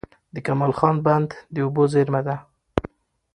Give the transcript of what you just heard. د کمال خان بند د اوبو زېرمه ده.